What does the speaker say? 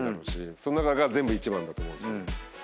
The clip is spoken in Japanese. その中が全部一番だと思うし。